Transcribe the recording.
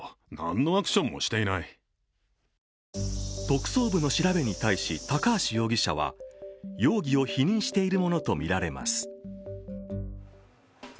特捜部の調べに対し高橋容疑者は、容疑を否認しているものとみられます。